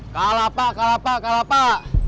kalah pak kalah pak kalah pak